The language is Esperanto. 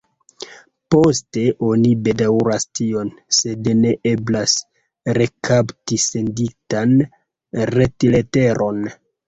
Poste oni bedaŭras tion, sed ne eblas rekapti senditan retleteron.